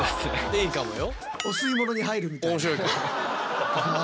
いいかもよ？